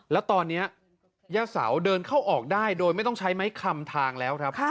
แล้วตอนนี้ย่าเสาเดินเข้าออกได้โดยไม่ต้องใช้ไม้คำทางแล้วครับ